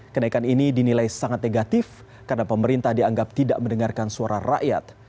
kenaikan ini dinilai sangat negatif karena pemerintah dianggap tidak mendengarkan suara rakyat